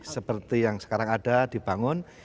seperti yang sekarang ada dibangun